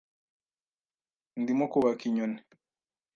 Ndimo kubaka inyoni.